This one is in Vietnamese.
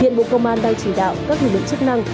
hiện bộ công an đang chỉnh đạo các lưu lực chức năng